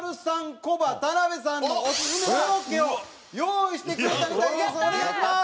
コバ田辺さんのオススメコロッケを用意してくれたみたいです。